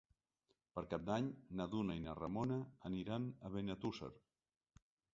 Per Cap d'Any na Duna i na Ramona aniran a Benetússer.